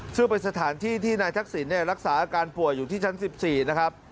ซึ่งเป็นสถานที่ที่นายทักษิณรักษาอาการป่วยอยู่ที่ชั้น๑๔นะครับ